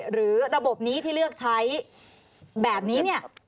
หรือระบบนี้ที่เลือกใช้แบบนี้เนี่ย